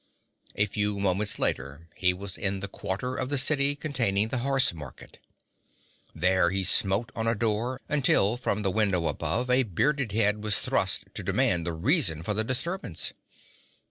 A few moments later he was in the quarter of the city containing the Horse Market. There he smote on a door until from the window above a bearded head was thrust to demand the reason for the disturbance.